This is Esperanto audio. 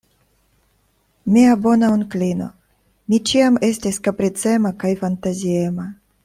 Mia bona onklino, mi ĉiam estis kapricema kaj fantaziema.